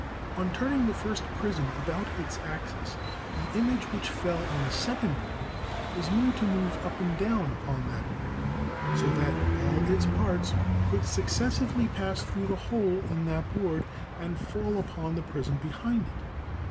On turning the first prism about its axis, the image which fell on the second board was made to move up and down upon that board, so that all its parts could successively pass through the hole in that board, and fall upon the prism behind it.